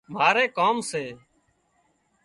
ماري ڪام سي